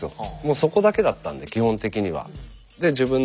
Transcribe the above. そこだけだったんで基本的には。